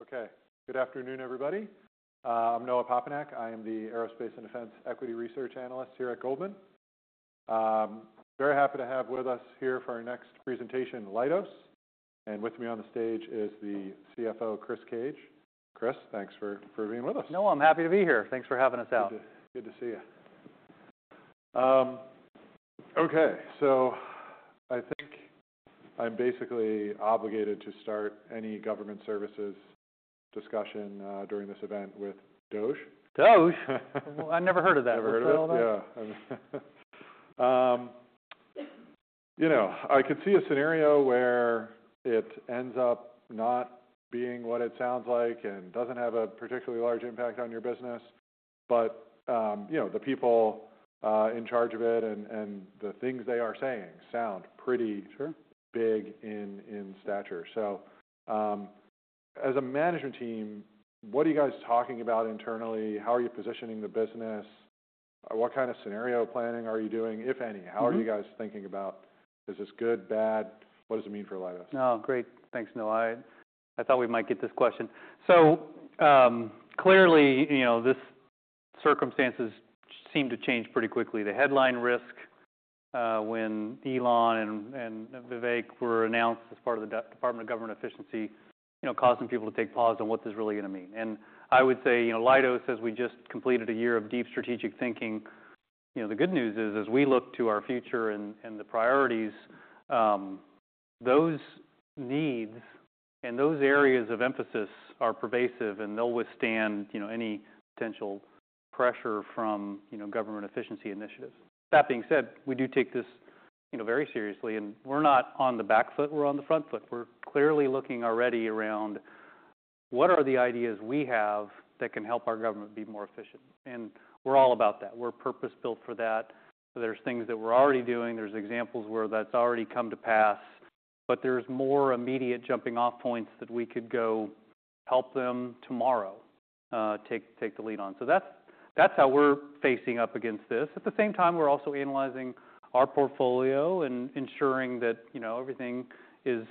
Okay. Good afternoon, everybody. I'm Noah Poponak. I am the Aerospace and Defense Equity Research Analyst here at Goldman. Very happy to have with us here for our next presentation, Leidos. And with me on the stage is the CFO, Chris Cage. Chris, thanks for being with us. No, I'm happy to be here. Thanks for having us out. Good, good to see you. Okay. So I think I'm basically obligated to start any government services discussion during this event with DOGE. DOGE? I've never heard of that. Never heard of that? Yeah. You know, I could see a scenario where it ends up not being what it sounds like and doesn't have a particularly large impact on your business. But, you know, the people in charge of it and the things they are saying sound pretty. Sure. Big in stature. So, as a management team, what are you guys talking about internally? How are you positioning the business? What kind of scenario planning are you doing, if any? How are you guys thinking about, is this good, bad? What does it mean for Leidos? No, great. Thanks, Noah. I thought we might get this question. So, clearly, you know, these circumstances seem to change pretty quickly. The headline risk, when Elon and Vivek were announced as part of the Department of Government Efficiency, you know, causing people to take pause on what this is really gonna mean. And I would say, you know, Leidos, as we just completed a year of deep strategic thinking, you know, the good news is, as we look to our future and the priorities, those needs and those areas of emphasis are pervasive and they'll withstand, you know, any potential pressure from, you know, government efficiency initiatives. That being said, we do take this, you know, very seriously and we're not on the back foot. We're on the front foot. We're clearly looking already around what are the ideas we have that can help our government be more efficient, and we're all about that. We're purpose-built for that. There's things that we're already doing. There's examples where that's already come to pass, but there's more immediate jumping-off points that we could go help them tomorrow, take the lead on. So that's how we're facing up against this. At the same time, we're also analyzing our portfolio and ensuring that, you know, everything is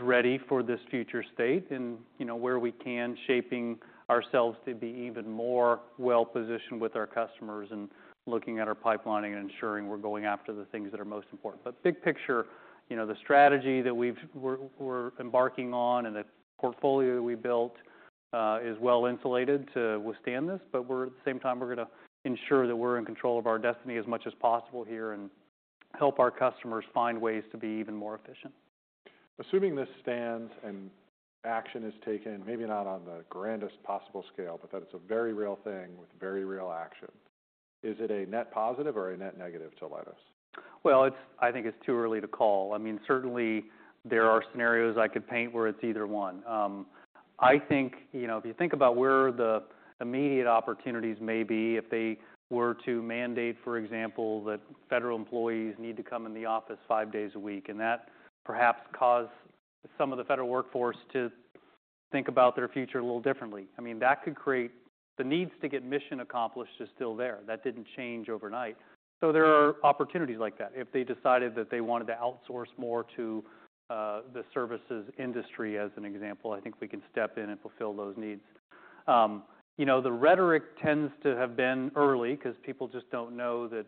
ready for this future state and, you know, where we can shaping ourselves to be even more well-positioned with our customers and looking at our pipeline and ensuring we're going after the things that are most important. But big picture, you know, the strategy that we're embarking on and the portfolio that we built is well-insulated to withstand this. But at the same time, we're gonna ensure that we're in control of our destiny as much as possible here and help our customers find ways to be even more efficient. Assuming this stands and action is taken, maybe not on the grandest possible scale, but that it's a very real thing with very real action, is it a net positive or a net negative to Leidos? It's, I think it's too early to call. I mean, certainly there are scenarios I could paint where it's either one. I think, you know, if you think about where the immediate opportunities may be, if they were to mandate, for example, that federal employees need to come in the office five days a week and that perhaps cause some of the federal workforce to think about their future a little differently. I mean, that could create the needs to get mission accomplished are still there. That didn't change overnight. So there are opportunities like that. If they decided that they wanted to outsource more to the services industry, as an example, I think we can step in and fulfill those needs. You know, the rhetoric tends to have been early 'cause people just don't know that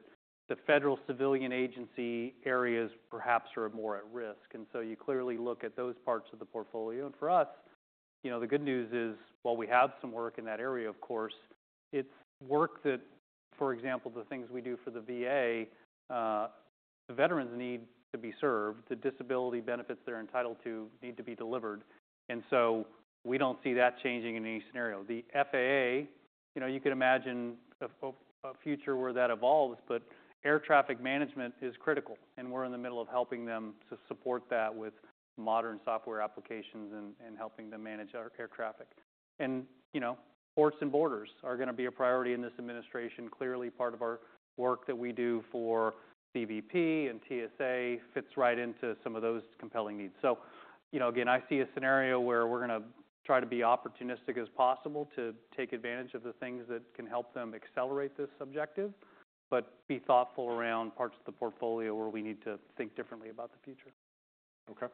the federal civilian agency areas perhaps are more at risk. And so you clearly look at those parts of the portfolio. And for us, you know, the good news is, while we have some work in that area, of course, it's work that, for example, the things we do for the VA, the veterans need to be served. The disability benefits they're entitled to need to be delivered. And so we don't see that changing in any scenario. The FAA, you know, you could imagine a future where that evolves, but air traffic management is critical. And we're in the middle of helping them to support that with modern software applications and helping them manage our air traffic. And, you know, ports and borders are gonna be a priority in this administration, clearly part of our work that we do for CBP and TSA fits right into some of those compelling needs. So, you know, again, I see a scenario where we're gonna try to be opportunistic as possible to take advantage of the things that can help them accelerate this objective, but be thoughtful around parts of the portfolio where we need to think differently about the future. Okay.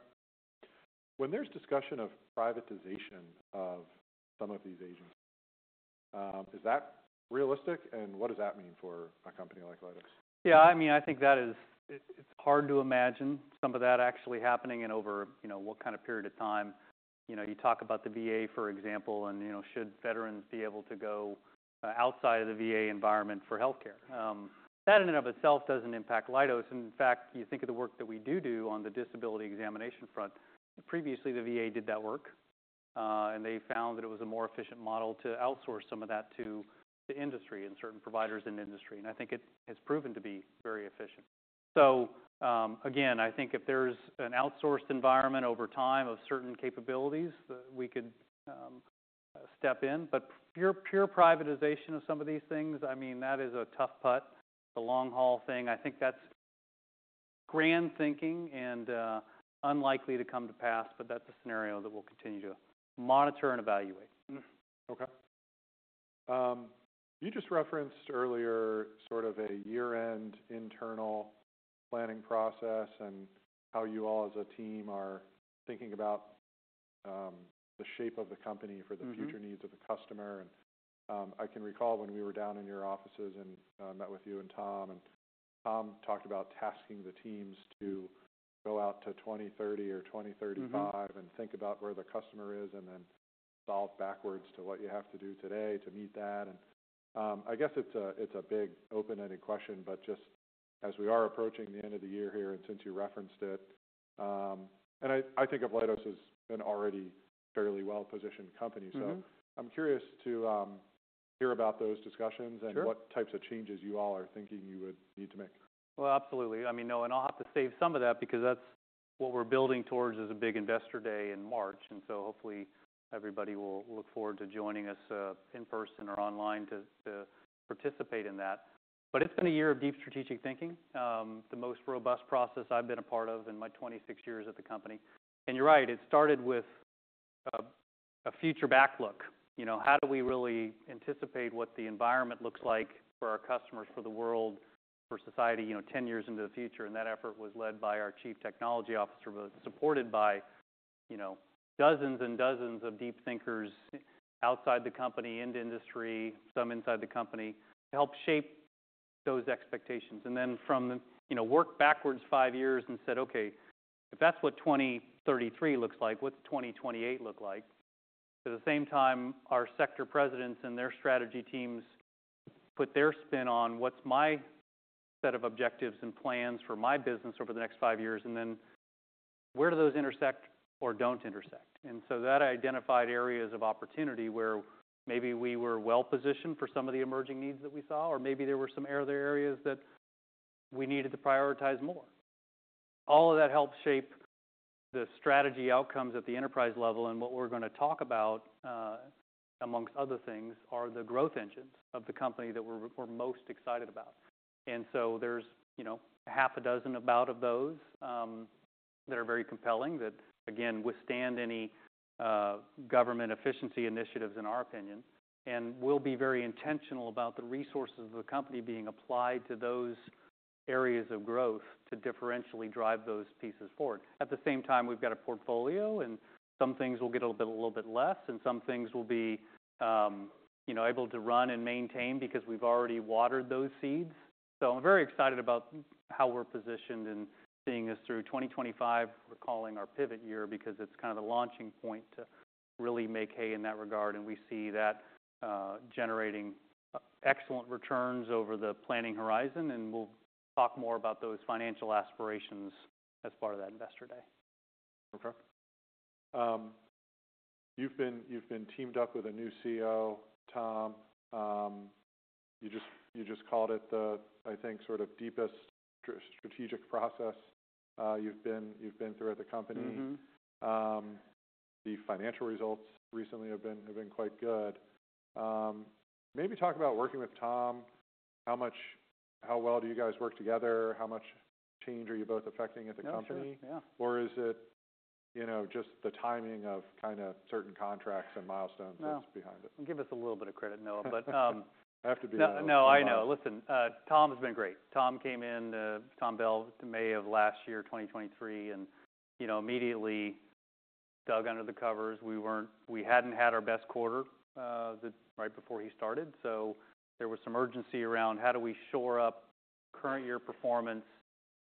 When there's discussion of privatization of some of these agencies, is that realistic, and what does that mean for a company like Leidos? Yeah. I mean, I think that is. It's hard to imagine some of that actually happening in over, you know, what kind of period of time. You know, you talk about the VA, for example, and, you know, should veterans be able to go outside of the VA environment for healthcare? That in and of itself doesn't impact Leidos. And in fact, you think of the work that we do on the disability examination front. Previously, the VA did that work, and they found that it was a more efficient model to outsource some of that to industry and certain providers in industry. And I think it has proven to be very efficient. So, again, I think if there's an outsourced environment over time of certain capabilities, we could step in. But pure, pure privatization of some of these things, I mean, that is a tough putt, a long-haul thing. I think that's grand thinking and unlikely to come to pass, but that's a scenario that we'll continue to monitor and evaluate. Okay. You just referenced earlier sort of a year-end internal planning process and how you all as a team are thinking about the shape of the company for the future needs of the customer, and I can recall when we were down in your offices and met with you and Tom, and Tom talked about tasking the teams to go out to 2030 or 2035 and think about where the customer is and then solve backwards to what you have to do today to meet that, and I guess it's a big open-ended question, but just as we are approaching the end of the year here and since you referenced it, and I think of Leidos as an already fairly well-positioned company, so I'm curious to hear about those discussions and what types of changes you all are thinking you would need to make. Absolutely. I mean, no, and I'll have to save some of that because that's what we're building towards is a big investor day in March, so hopefully everybody will look forward to joining us, in person or online, to participate in that. But it's been a year of deep strategic thinking, the most robust process I've been a part of in my 26 years at the company. You're right. It started with a future-back look. You know, how do we really anticipate what the environment looks like for our customers, for the world, for society, you know, 10 years into the future? That effort was led by our Chief Technology Officer, but supported by, you know, dozens and dozens of deep thinkers outside the company, in the industry, some inside the company to help shape those expectations. And then from the, you know, work backwards five years and said, okay, if that's what 2033 looks like, what's 2028 look like? At the same time, our sector presidents and their strategy teams put their spin on what's my set of objectives and plans for my business over the next five years, and then where do those intersect or don't intersect? And so that identified areas of opportunity where maybe we were well-positioned for some of the emerging needs that we saw, or maybe there were some other areas that we needed to prioritize more. All of that helped shape the strategy outcomes at the enterprise level. And what we're gonna talk about, amongst other things, are the growth engines of the company that we're, we're most excited about. And so there's, you know, half a dozen about of those that are very compelling that, again, withstand any government efficiency initiatives in our opinion and will be very intentional about the resources of the company being applied to those areas of growth to differentially drive those pieces forward. At the same time, we've got a portfolio and some things will get a little bit, a little bit less, and some things will be, you know, able to run and maintain because we've already watered those seeds. So I'm very excited about how we're positioned and seeing us through 2025. We're calling our pivot year because it's kind of the launching point to really make hay in that regard. And we see that generating excellent returns over the planning horizon. And we'll talk more about those financial aspirations as part of that investor day. Okay. You've been teamed up with a new CEO, Tom. You just called it the, I think, sort of deepest strategic process you've been through at the company. Mm-hmm. The financial results recently have been, have been quite good. Maybe talk about working with Tom. How much, how well do you guys work together? How much change are you both affecting at the company? Change, yeah. Or is it, you know, just the timing of kind of certain contracts and milestones that's behind it? Give us a little bit of credit, Noah, but, I have to be honest. No, no, I know. Listen, Tom's been great. Tom came in, Tom Bell, May of last year, 2023, and, you know, immediately dug under the covers. We weren't, we hadn't had our best quarter, right before he started. So there was some urgency around how do we shore up current year performance,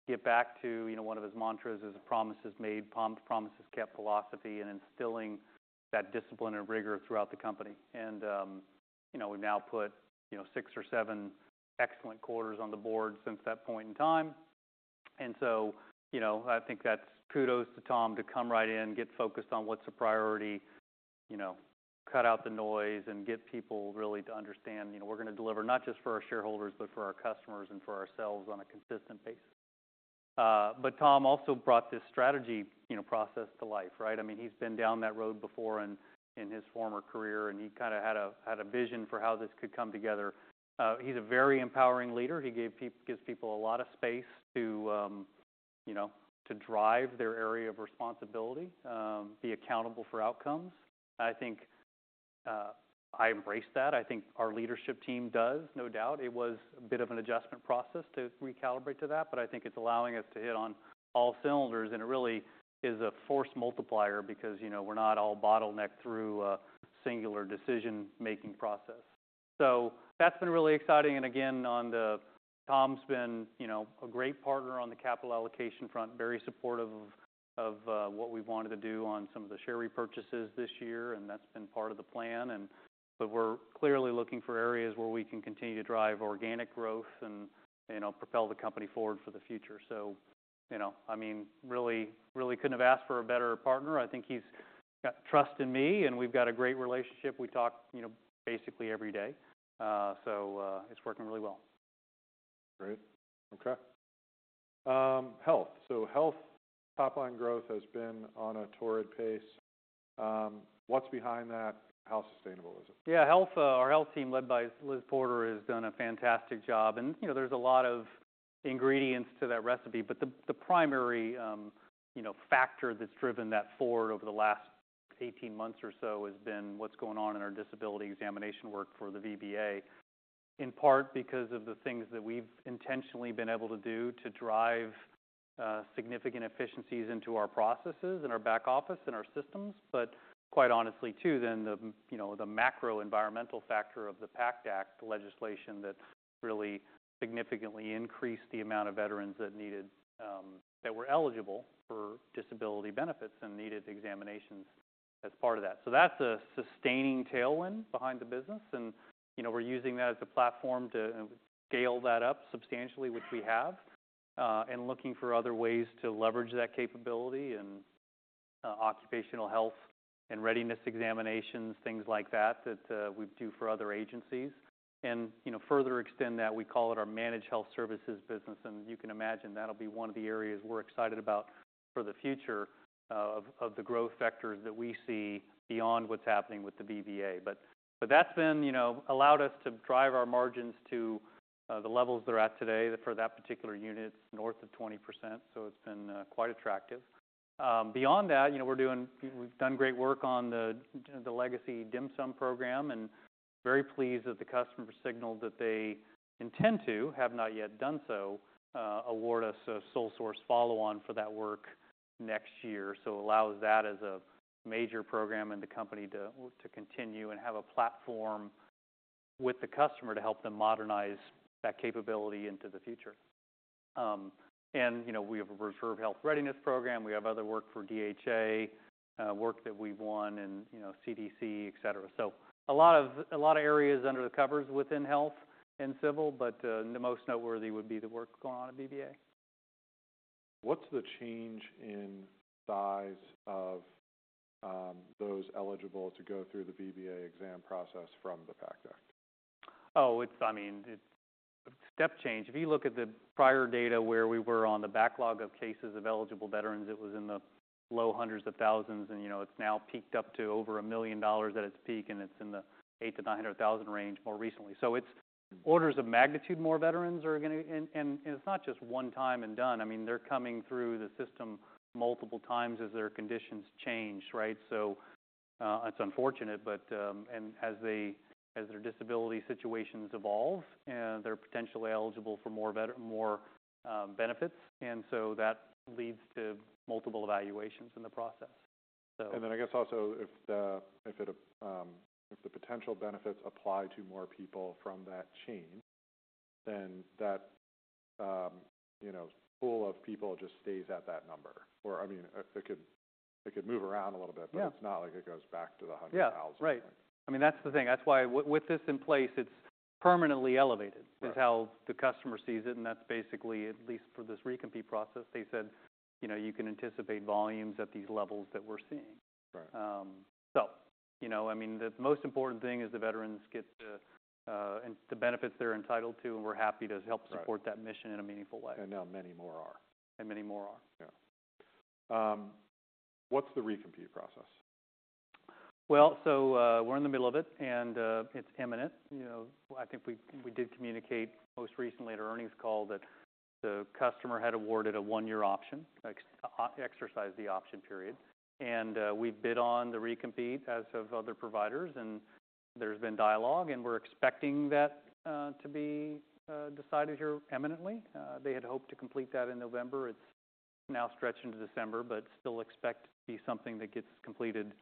get back to, you know, one of his mantras is a promise is made, promises kept philosophy and instilling that discipline and rigor throughout the company. And, you know, we've now put, you know, six or seven excellent quarters on the board since that point in time. And so, you know, I think that's kudos to Tom to come right in, get focused on what's a priority, you know, cut out the noise and get people really to understand, you know, we're gonna deliver not just for our shareholders, but for our customers and for ourselves on a consistent basis. But Tom also brought this strategy, you know, process to life, right? I mean, he's been down that road before in his former career and he kind of had a vision for how this could come together. He's a very empowering leader. He gave people, gives people a lot of space to, you know, to drive their area of responsibility, be accountable for outcomes. I think, I embrace that. I think our leadership team does, no doubt. It was a bit of an adjustment process to recalibrate to that, but I think it's allowing us to hit on all cylinders and it really is a force multiplier because, you know, we're not all bottleneck through a singular decision-making process, so that's been really exciting. And again, on the, Tom's been, you know, a great partner on the capital allocation front, very supportive of, of, what we wanted to do on some of the share repurchases this year. And that's been part of the plan, and, but we're clearly looking for areas where we can continue to drive organic growth and, you know, propel the company forward for the future, so, you know, I mean, really, really couldn't have asked for a better partner. I think he's got trust in me and we've got a great relationship. We talk, you know, basically every day. So, it's working really well. Great. Okay. So Health, top-line growth has been on a torrid pace. What's behind that? How sustainable is it? Yeah. Health, our Health team led by Liz Porter has done a fantastic job. And, you know, there's a lot of ingredients to that recipe, but the primary, you know, factor that's driven that forward over the last 18 months or so has been what's going on in our disability examination work for the VBA, in part because of the things that we've intentionally been able to do to drive significant efficiencies into our processes and our back office and our systems. But quite honestly too, the, you know, the macro environmental factor of the PACT Act legislation that really significantly increased the amount of veterans that were eligible for disability benefits and needed examinations as part of that. So that's a sustaining tailwind behind the business. You know, we're using that as a platform to scale that up substantially, which we have, and looking for other ways to leverage that capability and occupational health and readiness examinations, things like that that we do for other agencies. You know, further extend that, we call it our managed health services business. You can imagine that'll be one of the areas we're excited about for the future, of the growth factors that we see beyond what's happening with the VBA. That's been, you know, allowed us to drive our margins to the levels they're at today for that particular unit. It's north of 20%. It's been quite attractive. Beyond that, you know, we're doing. We've done great work on the legacy DHMSM program and very pleased that the customer signaled that they intend to, have not yet done so, award us a sole source follow-on for that work next year. So it allows that as a major program in the company to continue and have a platform with the customer to help them modernize that capability into the future. And you know, we have a Reserve Health Readiness Program. We have other work for DHA, work that we've won and, you know, CDC, et cetera. So a lot of areas under the covers within Health and Civil, but the most noteworthy would be the work going on at VBA. What's the change in size of those eligible to go through the VBA exam process from the PACT Act? Oh, it's, I mean, it's step change. If you look at the prior data where we were on the backlog of cases of eligible veterans, it was in the low hundreds of thousands. And, you know, it's now peaked up to over a million at its peak and it's in the 800,000-900,000 range more recently. So it's orders of magnitude more veterans are gonna, and it's not just one time and done. I mean, they're coming through the system multiple times as their conditions change, right? So, it's unfortunate, but, and as they, as their disability situations evolve, they're potentially eligible for more benefits. And so that leads to multiple evaluations in the process. So. And then I guess also if the potential benefits apply to more people from that chain, then that, you know, pool of people just stays at that number or, I mean, it could move around a little bit, but it's not like it goes back to the 100,000. Yeah. Right. I mean, that's the thing. That's why with, with this in place, it's permanently elevated is how the customer sees it. And that's basically, at least for this recompete process, they said, you know, you can anticipate volumes at these levels that we're seeing. Right. So, you know, I mean, the most important thing is the veterans get to, and the benefits they're entitled to. And we're happy to help support that mission in a meaningful way. Now many more are. Many more are. Yeah. What's the recompete process? So, we're in the middle of it and it's imminent. You know, I think we, we did communicate most recently at our earnings call that the customer had awarded a one-year option, exercised the option period. And we bid on the recompete as have other providers. And there's been dialogue and we're expecting that to be decided here imminently. They had hoped to complete that in November. It's now stretched into December, but still expect to be something that gets completed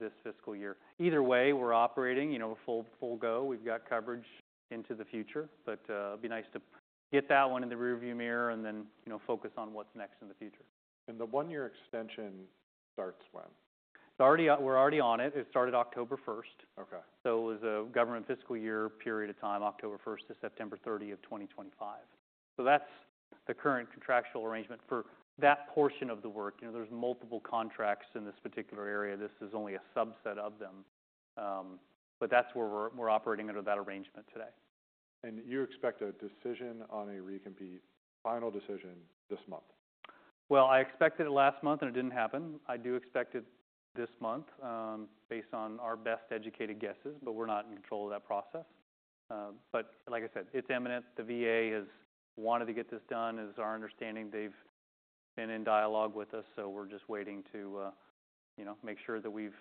this fiscal year. Either way, we're operating, you know, full, full go. We've got coverage into the future, but it'd be nice to get that one in the rearview mirror and then, you know, focus on what's next in the future. The one-year extension starts when? It's already, we're already on it. It started October 1st. Okay. So it was a government fiscal year period of time, October 1st to September 30th of 2025. So that's the current contractual arrangement for that portion of the work. You know, there's multiple contracts in this particular area. This is only a subset of them. But that's where we're operating under that arrangement today. You expect a decision on a recompete, final decision this month? I expected it last month and it didn't happen. I do expect it this month, based on our best educated guesses, but we're not in control of that process. But like I said, it's imminent. The VA has wanted to get this done, is our understanding. They've been in dialogue with us. So we're just waiting to, you know, make sure that we've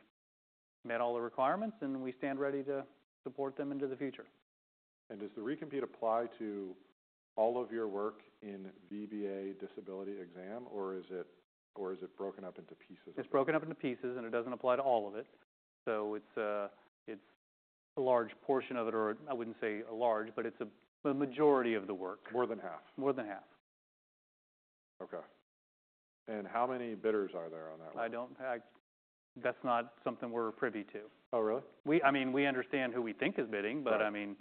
met all the requirements and we stand ready to support them into the future. Does the recompete apply to all of your work in VBA disability exam or is it broken up into pieces? It's broken up into pieces and it doesn't apply to all of it. So it's a large portion of it or I wouldn't say a large, but it's a majority of the work. More than half. More than half. Okay. And how many bidders are there on that one? I don't, that's not something we're privy to. Oh, really? I mean, we understand who we think is bidding, but I mean,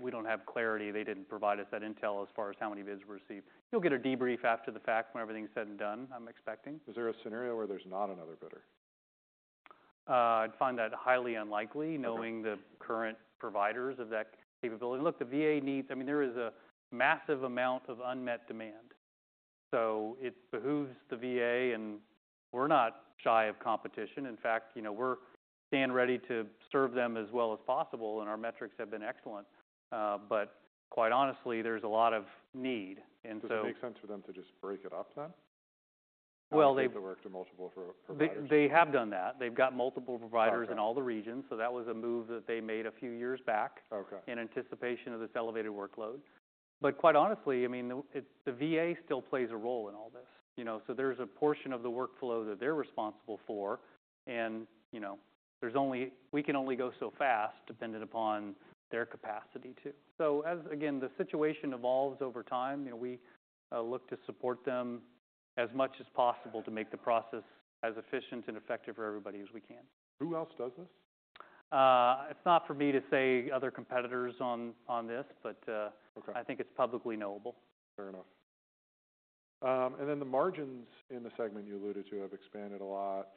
we don't have clarity. They didn't provide us that intel as far as how many bids were received. You'll get a debrief after the fact when everything's said and done. I'm expecting. Is there a scenario where there's not another bidder? I'd find that highly unlikely knowing the current providers of that capability. Look, the VA needs, I mean, there is a massive amount of unmet demand, so it behooves the VA and we're not shy of competition. In fact, you know, we stand ready to serve them as well as possible and our metrics have been excellent, but quite honestly, there's a lot of need, and so. Does it make sense for them to just break it up then? Well, they. And move the work to multiple providers? They, they have done that. They've got multiple providers in all the regions. So that was a move that they made a few years back. Okay. In anticipation of this elevated workload, but quite honestly, I mean, the VA still plays a role in all this, you know. So there's a portion of the workflow that they're responsible for, and, you know, we can only go so fast dependent upon their capacity too. So, as the situation evolves over time, you know, we look to support them as much as possible to make the process as efficient and effective for everybody as we can. Who else does this? It's not for me to say other competitors on, on this, but, Okay. I think it's publicly known. Fair enough. And then the margins in the segment you alluded to have expanded a lot.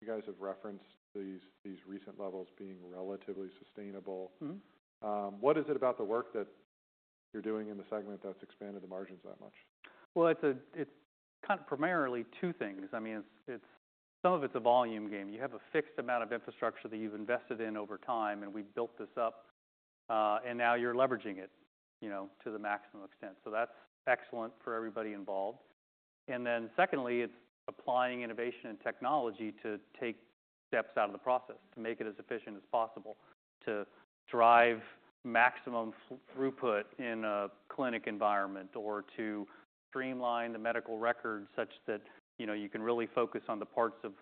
You guys have referenced these, these recent levels being relatively sustainable. Mm-hmm. What is it about the work that you're doing in the segment that's expanded the margins that much? It's kind of primarily two things. I mean, it's some of it's a volume game. You have a fixed amount of infrastructure that you've invested in over time and we've built this up, and now you're leveraging it, you know, to the maximum extent. That's excellent for everybody involved. Secondly, it's applying innovation and technology to take steps out of the process to make it as efficient as possible to drive maximum throughput in a clinic environment or to streamline the medical records such that, you know, you can really focus on the parts of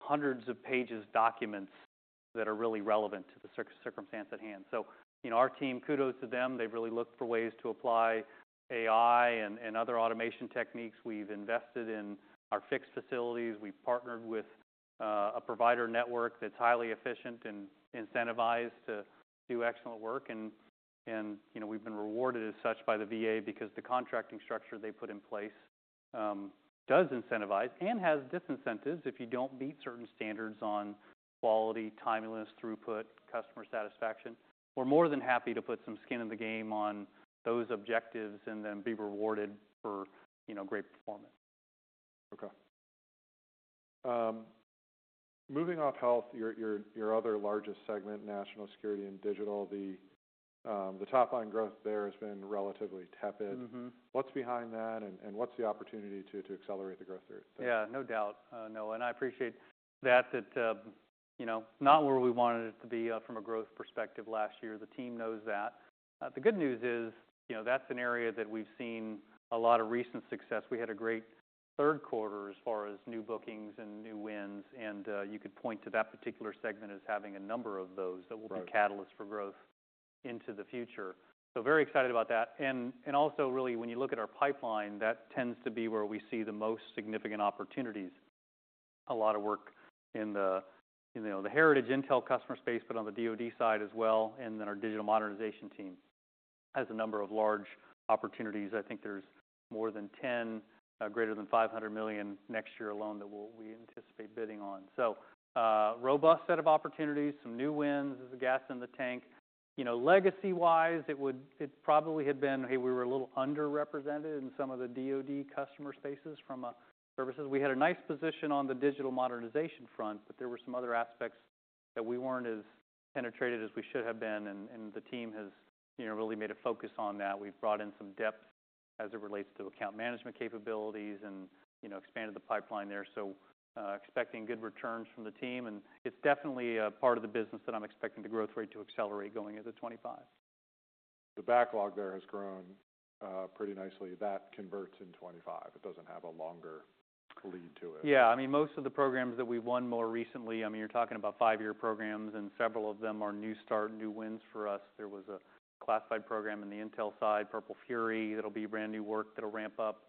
hundreds of pages documents that are really relevant to the circumstance at hand. Our team, kudos to them. They've really looked for ways to apply AI and other automation techniques. We've invested in our fixed facilities. We've partnered with a provider network that's highly efficient and incentivized to do excellent work. You know, we've been rewarded as such by the VA because the contracting structure they put in place does incentivize and has disincentives if you don't meet certain standards on quality, timeliness, throughput, customer satisfaction. We're more than happy to put some skin in the game on those objectives and then be rewarded for you know, great performance. Okay. Moving off Health, your other largest segment, National Security and Digital, the top-line growth there has been relatively tepid. Mm-hmm. What's behind that and what's the opportunity to accelerate the growth there? Yeah. No doubt. No. And I appreciate that, you know, not where we wanted it to be, from a growth perspective last year. The team knows that. The good news is, you know, that's an area that we've seen a lot of recent success. We had a great third quarter as far as new bookings and new wins. And you could point to that particular segment as having a number of those that will be catalysts for growth into the future. So very excited about that. And also really when you look at our pipeline, that tends to be where we see the most significant opportunities. A lot of work in the, you know, the heritage intel customer space, but on the DoD side as well. And then our digital modernization team has a number of large opportunities. I think there's more than 10, greater than $500 million next year alone that we'll, we anticipate bidding on. So, robust set of opportunities, some new wins, gas in the tank. You know, legacy-wise, it would, it probably had been, hey, we were a little underrepresented in some of the DoD customer spaces from a services. We had a nice position on the digital modernization front, but there were some other aspects that we weren't as penetrated as we should have been. And, and the team has, you know, really made a focus on that. We've brought in some depth as it relates to account management capabilities and, you know, expanded the pipeline there. So, expecting good returns from the team. And it's definitely, part of the business that I'm expecting the growth rate to accelerate going into 2025. The backlog there has grown, pretty nicely. That converts in 2025. It doesn't have a longer lead to it. Yeah. I mean, most of the programs that we've won more recently, I mean, you're talking about five-year programs and several of them are new start, new wins for us. There was a classified program in the intel side, Purple Fury, that'll be brand new work that'll ramp up,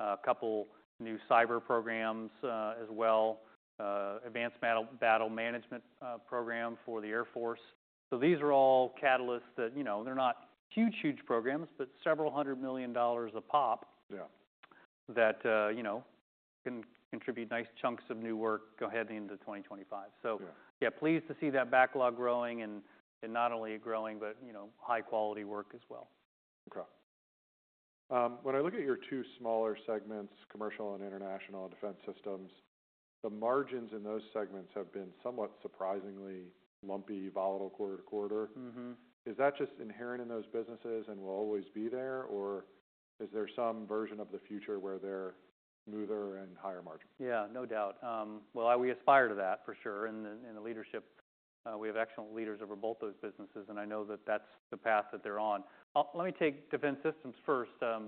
a couple new cyber programs, as well, Advanced Battle Management program for the Air Force. So these are all catalysts that, you know, they're not huge, huge programs, but several hundred million dollars a pop. Yeah. That, you know, can contribute nice chunks of new work heading into 2025. So. Yeah. Yeah. Pleased to see that backlog growing and, and not only growing, but, you know, high-quality work as well. Okay. When I look at your two smaller segments, Commercial and International, Defense Systems, the margins in those segments have been somewhat surprisingly lumpy, volatile quarter to quarter. Mm-hmm. Is that just inherent in those businesses and will always be there? Or is there some version of the future where they're smoother and higher margin? Yeah. No doubt, well, we aspire to that for sure, and in the leadership, we have excellent leaders over both those businesses. I know that that's the path that they're on. Let me take defense systems first. The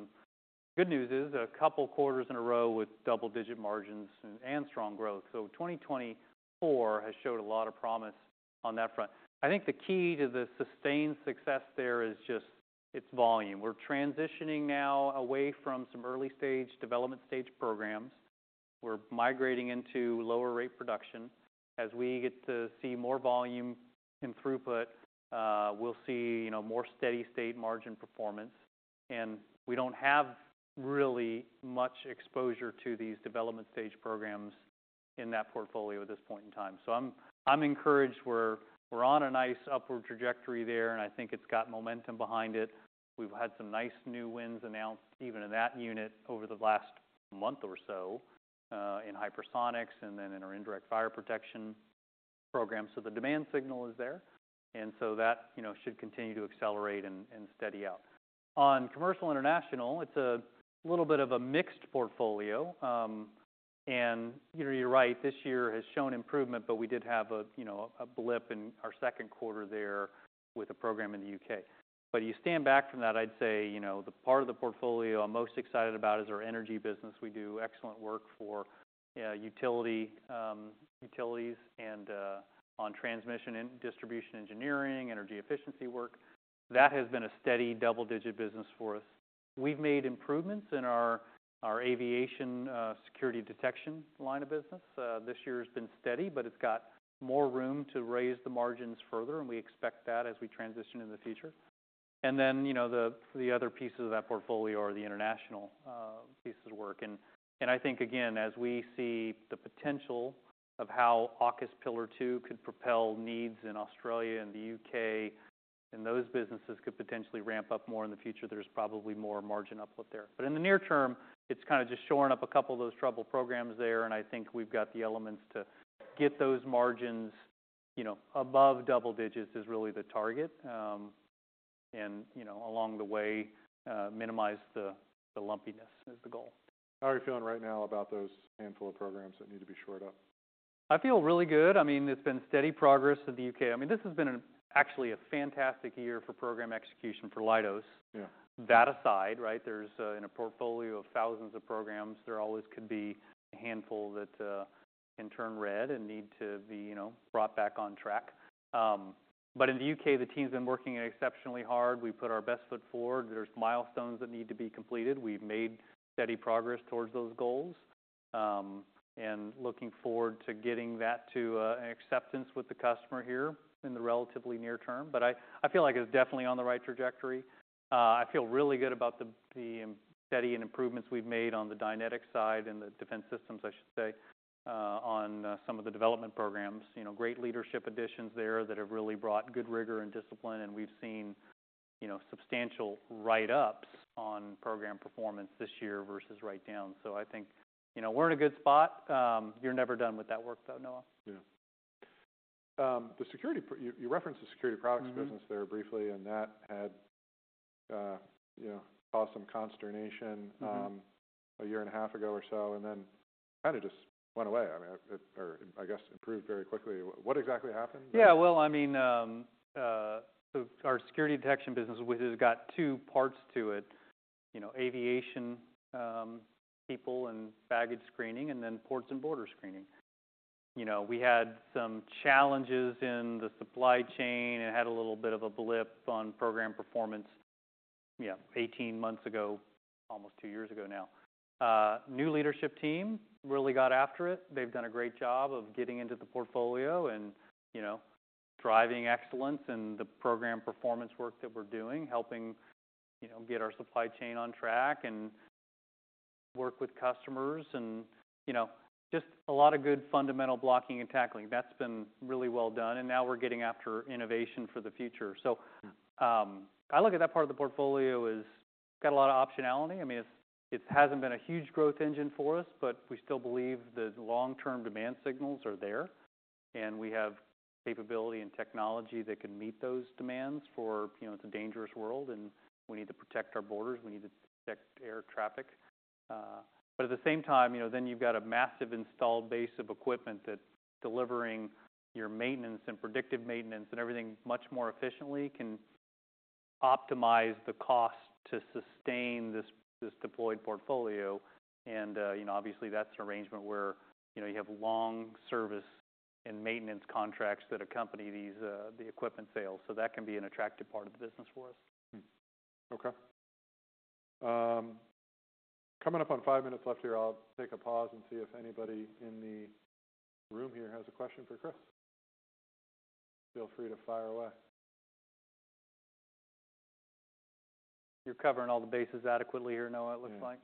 good news is a couple quarters in a row with double-digit margins and strong growth, so 2024 has showed a lot of promise on that front. I think the key to the sustained success there is just its volume. We're transitioning now away from some early-stage development stage programs. We're migrating into lower-rate production. As we get to see more volume and throughput, we'll see, you know, more steady-state margin performance, and we don't have really much exposure to these development stage programs in that portfolio at this point in time, so I'm encouraged. We're on a nice upward trajectory there. I think it's got momentum behind it. We've had some nice new wins announced even in that unit over the last month or so, in hypersonics and then in our Indirect Fire Protection program. So the demand signal is there. And so that, you know, should continue to accelerate and steady out. On commercial international, it's a little bit of a mixed portfolio, and, you know, you're right. This year has shown improvement, but we did have, you know, a blip in our second quarter there with a program in the U.K. But you stand back from that, I'd say, you know, the part of the portfolio I'm most excited about is our energy business. We do excellent work for utilities and, on transmission and distribution engineering, energy efficiency work. That has been a steady double-digit business for us. We've made improvements in our aviation, security detection line of business. This year has been steady, but it's got more room to raise the margins further. And we expect that as we transition in the future. And then, you know, the other pieces of that portfolio are the international pieces of work. And I think, again, as we see the potential of how AUKUS Pillar Two could propel needs in Australia and the UK and those businesses could potentially ramp up more in the future, there's probably more margin uplift there. But in the near term, it's kind of just shoring up a couple of those trouble programs there. And I think we've got the elements to get those margins, you know, above double digits is really the target. And, you know, along the way, minimize the lumpiness is the goal. How are you feeling right now about those handful of programs that need to be shored up? I feel really good. I mean, it's been steady progress in the U.K. I mean, this has been actually a fantastic year for program execution for Leidos. Yeah. That aside, right, there's in a portfolio of thousands of programs there always could be a handful that can turn red and need to be, you know, brought back on track, but in the UK the team's been working exceptionally hard. We put our best foot forward. There's milestones that need to be completed. We've made steady progress towards those goals and looking forward to getting that to acceptance with the customer here in the relatively near term. But I feel like it's definitely on the right trajectory. I feel really good about the steady and improvements we've made on the Dynetics side and the defense systems, I should say, on some of the development programs. You know, great leadership additions there that have really brought good rigor and discipline, and we've seen, you know, substantial write-ups on program performance this year versus write-down. So I think, you know, we're in a good spot. You're never done with that work though, Noah. Yeah. The security program you referenced, the security products business there briefly and that had, you know, caused some consternation. Mm-hmm. A year and a half ago or so and then kind of just went away. I mean, it or I guess improved very quickly. What exactly happened? Yeah. Well, I mean, so our security detection business, which has got two parts to it, you know, aviation, people and baggage screening and then ports and border screening. You know, we had some challenges in the supply chain and had a little bit of a blip on program performance, you know, 18 months ago, almost two years ago now. New leadership team really got after it. They've done a great job of getting into the portfolio and, you know, striving excellence in the program performance work that we're doing, helping, you know, get our supply chain on track and work with customers and, you know, just a lot of good fundamental blocking and tackling. That's been really well done. And now we're getting after innovation for the future. So. Yeah. I look at that part of the portfolio as got a lot of optionality. I mean, it hasn't been a huge growth engine for us, but we still believe the long-term demand signals are there. And we have capability and technology that can meet those demands for, you know, it's a dangerous world and we need to protect our borders. We need to protect air traffic. But at the same time, you know, then you've got a massive installed base of equipment that delivering your maintenance and predictive maintenance and everything much more efficiently can optimize the cost to sustain this deployed portfolio. And, you know, obviously that's an arrangement where, you know, you have long service and maintenance contracts that accompany these equipment sales. So that can be an attractive part of the business for us. Okay. Coming up on five minutes left here, I'll take a pause and see if anybody in the room here has a question for Chris. Feel free to fire away. You're covering all the bases adequately here, Noah, it looks like.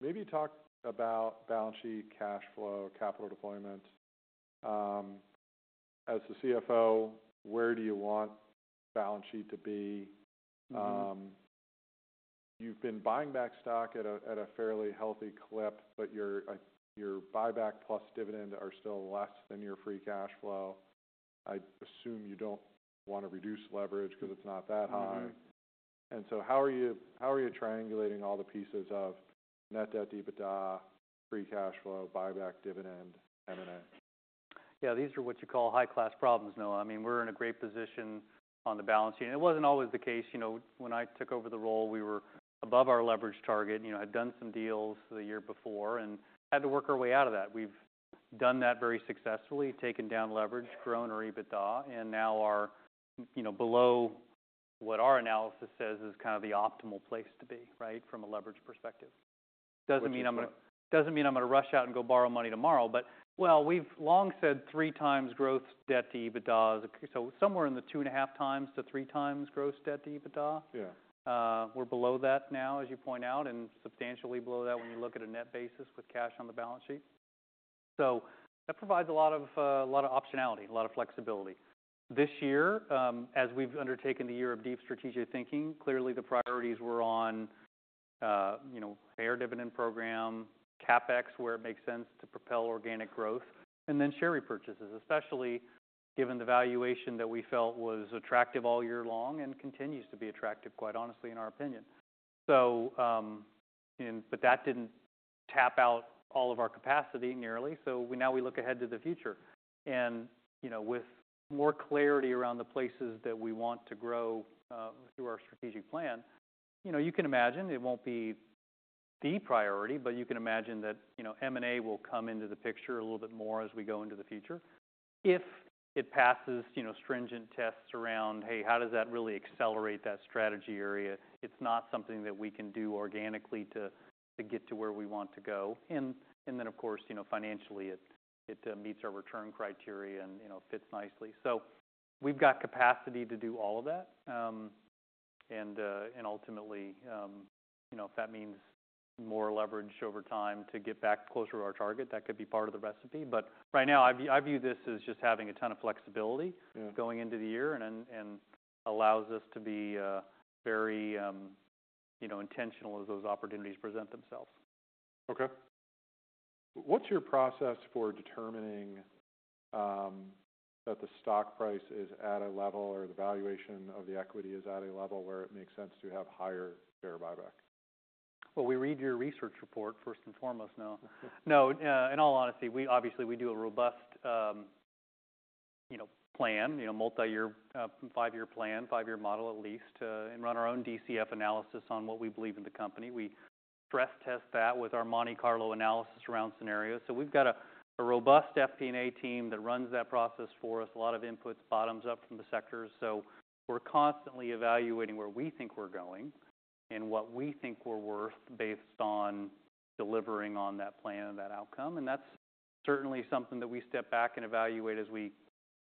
Maybe talk about balance sheet, cash flow, capital deployment. As the CFO, where do you want balance sheet to be? Mm-hmm. You've been buying back stock at a fairly healthy clip, but your buyback plus dividend are still less than your free cash flow. I assume you don't want to reduce leverage because it's not that high. Mm-hmm. How are you triangulating all the pieces of net debt, EBITDA, free cash flow, buyback, dividend, M&A? Yeah. These are what you call high-class problems, Noah. I mean, we're in a great position on the balance sheet, and it wasn't always the case. You know, when I took over the role, we were above our leverage target, you know, had done some deals the year before and had to work our way out of that. We've done that very successfully, taken down leverage, grown our EBITDA, and now are, you know, below what our analysis says is kind of the optimal place to be, right, from a leverage perspective. Okay. Doesn't mean I'm going to rush out and go borrow money tomorrow. But, well, we've long said three times gross debt to EBITDA is a, so somewhere in the two and a half times to three times gross debt to EBITDA. Yeah. We're below that now, as you point out, and substantially below that when you look at a net basis with cash on the balance sheet. So that provides a lot of, a lot of optionality, a lot of flexibility. This year, as we've undertaken the year of deep strategic thinking, clearly the priorities were on, you know, higher dividend program, CapEx where it makes sense to propel organic growth, and then share repurchases, especially given the valuation that we felt was attractive all year long and continues to be attractive, quite honestly, in our opinion. So, and but that didn't tap out all of our capacity nearly. So we now, we look ahead to the future. You know, with more clarity around the places that we want to grow, through our strategic plan, you know, you can imagine it won't be the priority, but you can imagine that, you know, M&A will come into the picture a little bit more as we go into the future if it passes, you know, stringent tests around, hey, how does that really accelerate that strategy area? It's not something that we can do organically to get to where we want to go, and then, of course, you know, financially it meets our return criteria and, you know, fits nicely, so we've got capacity to do all of that, and ultimately, you know, if that means more leverage over time to get back closer to our target, that could be part of the recipe. But right now, I view this as just having a ton of flexibility. Yeah. Going into the year and allows us to be very, you know, intentional as those opportunities present themselves. Okay. What's your process for determining that the stock price is at a level or the valuation of the equity is at a level where it makes sense to have higher share buyback? We read your research report first and foremost now. No, in all honesty, we obviously, we do a robust, you know, plan, you know, multi-year, five-year plan, five-year model at least, and run our own DCF analysis on what we believe in the company. We stress test that with our Monte Carlo analysis around scenarios. So we've got a robust FP&A team that runs that process for us, a lot of inputs bottoms up from the sectors. So we're constantly evaluating where we think we're going and what we think we're worth based on delivering on that plan and that outcome. And that's certainly something that we step back and evaluate as we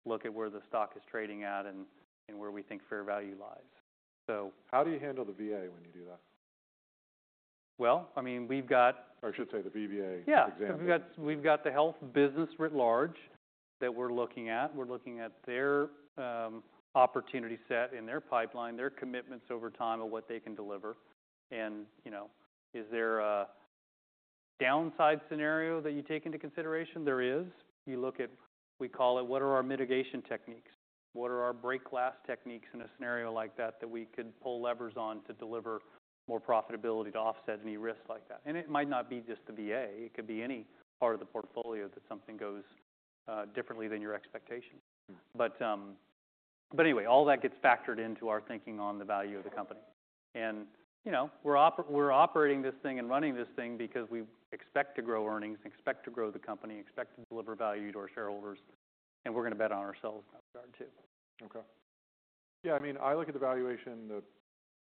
look at where the stock is trading at and where we think fair value lies. How do you handle the VA when you do that? Well, I mean, we've got. Or I should say the VBA. Yeah. Example. We've got the Health business writ large that we're looking at. We're looking at their opportunity set in their pipeline, their commitments over time of what they can deliver. And, you know, is there a downside scenario that you take into consideration? There is. You look at what we call our mitigation techniques. What are our break-glass techniques in a scenario like that that we could pull levers on to deliver more profitability to offset any risk like that? And it might not be just the VA. It could be any part of the portfolio that something goes differently than your expectation. Yeah. But anyway, all that gets factored into our thinking on the value of the company. And, you know, we're operating this thing and running this thing because we expect to grow earnings, expect to grow the company, expect to deliver value to our shareholders. And we're going to bet on ourselves in that regard too. Okay. Yeah. I mean, I look at the valuation, the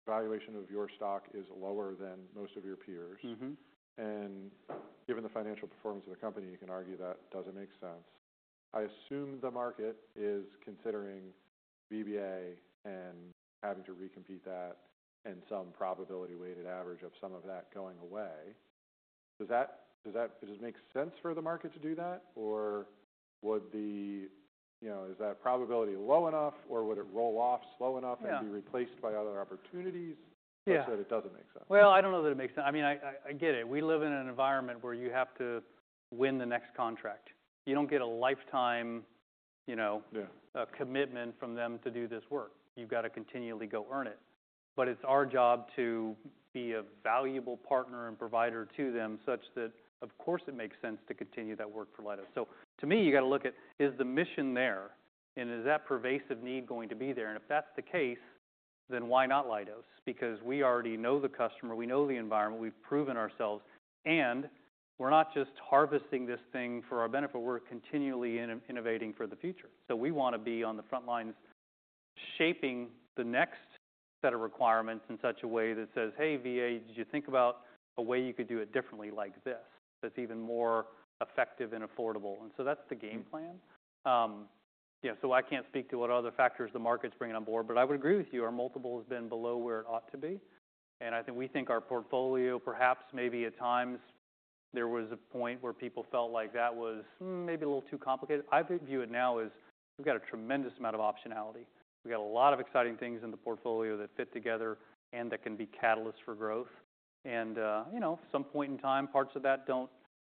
valuation of your stock is lower than most of your peers. Mm-hmm. Given the financial performance of the company, you can argue that doesn't make sense. I assume the market is considering VBA and having to recompete that and some probability-weighted average of some of that going away. Does that make sense for the market to do that? Or, you know, is that probability low enough or would it roll off slow enough and be replaced by other opportunities? Yeah. Or is it, it doesn't make sense? I don't know that it makes sense. I mean, I get it. We live in an environment where you have to win the next contract. You don't get a lifetime, you know. Yeah. commitment from them to do this work. You've got to continually go earn it. But it's our job to be a valuable partner and provider to them such that, of course, it makes sense to continue that work for Leidos. So to me, you got to look at, is the mission there and is that pervasive need going to be there? And if that's the case, then why not Leidos? Because we already know the customer, we know the environment, we've proven ourselves, and we're not just harvesting this thing for our benefit. We're continually innovating for the future. So we want to be on the front lines shaping the next set of requirements in such a way that says, "Hey, VA, did you think about a way you could do it differently like this that's even more effective and affordable?" And so that's the game plan. You know, so I can't speak to what other factors the market's bringing on board, but I would agree with you. Our multiple has been below where it ought to be. And I think we think our portfolio perhaps maybe at times there was a point where people felt like that was, maybe a little too complicated. I view it now as we've got a tremendous amount of optionality. We've got a lot of exciting things in the portfolio that fit together and that can be catalysts for growth. And, you know, at some point in time, parts of that don't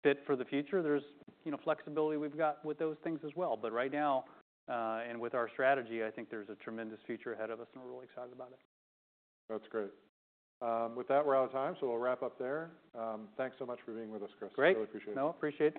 fit for the future. There's, you know, flexibility we've got with those things as well. But right now, and with our strategy, I think there's a tremendous future ahead of us and we're really excited about it. That's great. With that, we're out of time. So we'll wrap up there. Thanks so much for being with us, Chris. Great. Really appreciate it. No, appreciate it.